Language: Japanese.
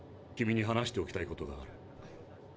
君に話しておきたいことがある。